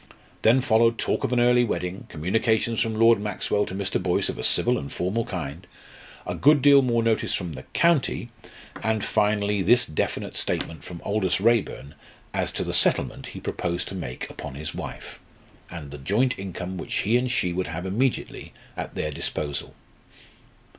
Then followed talk of an early wedding, communications from Lord Maxwell to Mr. Boyce of a civil and formal kind, a good deal more notice from the "county," and finally this definite statement from Aldous Raeburn as to the settlement he proposed to make upon his wife, and the joint income which he and she would have immediately at their disposal.